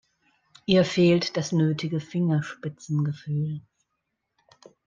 Ihr fehlt das nötige Fingerspitzengefühl.